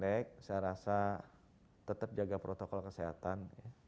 jangka pendek saya rasa tetap jaga protokol kesehatan